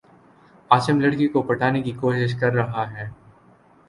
عاصم لڑ کی کو پٹانے کی کو شش کر رہا ہے